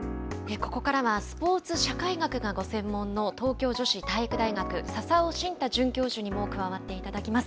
ここからはスポーツ社会学がご専門の東京女子体育大学笹生心太准教授にも加わっていただきます。